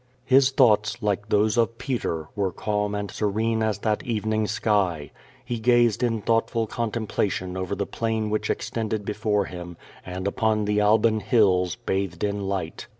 His thoughts, like those of Peter, were calm and serene as that evening sky. He gazed in thoughtful contemplation over the plain which extended before him, and upon the Alban Hills, bathed in light.